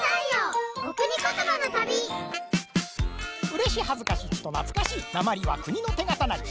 うれしはずかしちとなつかしいなまりは国のてがたなり。